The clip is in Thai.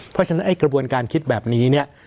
เพราะฉะนั้นไอ้กระบวนการคิดแบบนี้เนี่ย